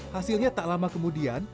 hasilnya tak lama kemudian